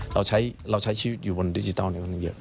เราใช้ชีวิตอยู่บนดิจิทัลค่อนข้างเยอะ